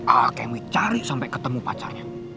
alkemi cari sampai ketemu pacarnya